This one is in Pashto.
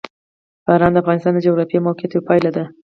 باران د افغانستان د جغرافیایي موقیعت یوه پایله ده.